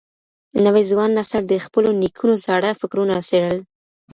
نوي ځوان نسل د خپلو نيکونو زاړه فکرونه څېړل.